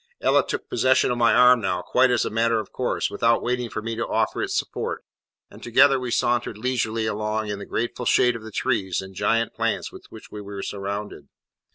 Ella took possession of my arm now, quite as a matter of course, without waiting for me to offer its support, and together we sauntered leisurely along in the grateful shade of the trees and giant plants with which we were surrounded.